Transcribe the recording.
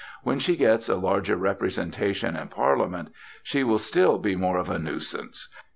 When she gets a larger representation in Parliament, she will be still more of a nuisance.